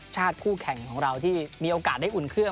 คู่แข่งของเราที่มีโอกาสได้อุ่นเครื่อง